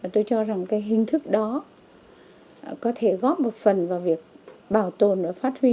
tôi cho rằng cái hình thức đó có thể góp một phần vào việc bảo tồn và phát huy